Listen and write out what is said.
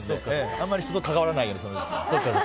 あまり人と関わらないようにしてます。